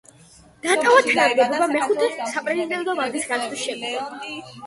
დატოვა თანამდებობა მეხუთე საპრეზიდენტო ვადის გასვლის შემდგომ.